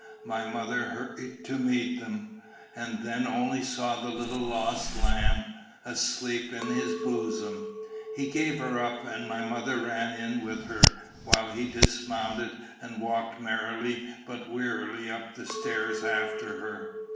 My mother hurried to meet him, and then only saw the little lost lamb asleep in his bosom. He gave her up, and my mother ran in with her; while he dismounted, and walked merrily but wearily up the stair after her.